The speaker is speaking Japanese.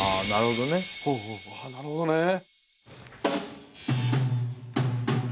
なるほどね。